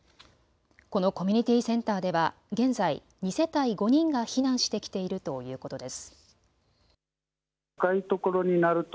このコミュニティーセンターでは現在２世帯５人が避難してきているということです。